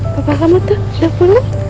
apa apa kamu tuh udah pulang